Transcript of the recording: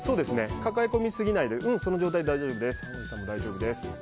抱え込み過ぎないでその状態で大丈夫です。